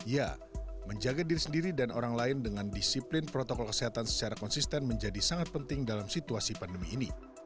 ya menjaga diri sendiri dan orang lain dengan disiplin protokol kesehatan secara konsisten menjadi sangat penting dalam situasi pandemi ini